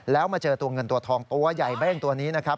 แล้วมาเจอตัวเงินตัวทองตัวใหญ่เบ้งตัวนี้นะครับ